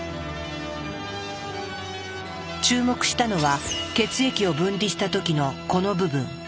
注目したのは血液を分離した時のこの部分。